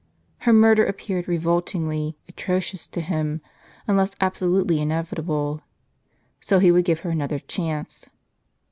Her murder appeared revoltingly atrocious to him, unless absolutely inevitable. So he would give her another chance.